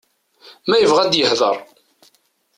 Ma yebɣa ad yehder.